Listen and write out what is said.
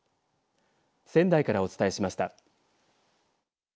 仙台からお伝えしました。